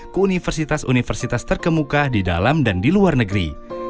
ke universitas universitas terkemuka di dalam dan di luar negeri